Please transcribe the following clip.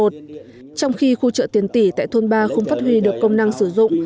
trong khi khu chợ tiền tỷ tại thôn ba không phát huy được công năng sử dụng